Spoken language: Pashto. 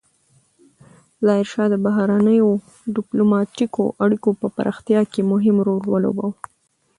ظاهرشاه د بهرنیو ډیپلوماتیکو اړیکو په پراختیا کې مهم رول ولوباوه.